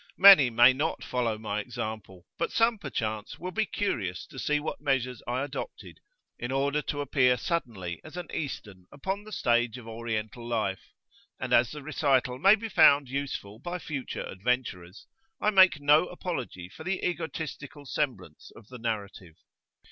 Many may not follow my example;[FN#5] but some [p.5]perchance will be curious to see what measures I adopted, in order to appear suddenly as an Eastern upon the stage of Oriental life; and as the recital may be found useful by future adventurers, I make no apology for the egotistical semblance of the narrative.